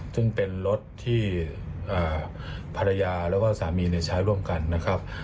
ซึ่งเป็นรถที่ภรรยาแล้วก็สามีใช้ร่วมกันนะครับ